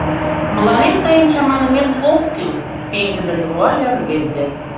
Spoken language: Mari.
— Мыланем тыйын чаманымет ок кӱл! — пеҥгыдын руале рвезе.